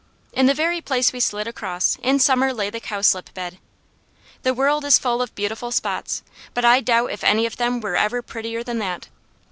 In the very place we slid across, in summer lay the cowslip bed. The world is full of beautiful spots, but I doubt if any of them ever were prettier than that.